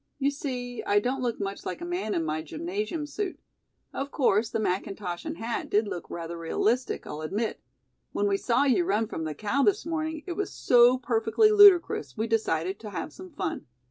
You see, I don't look much like a man in my gymnasium suit. Of course the mackintosh and hat did look rather realistic, I'll admit. When we saw you run from the cow this morning, it was so perfectly ludicrous, we decided to have some fun.